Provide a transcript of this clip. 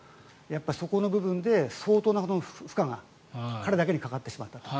そこの部分で相当な負荷が彼だけにかかってしまったと。